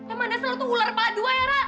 emang dasar lo tuh ular kepala dua ya ra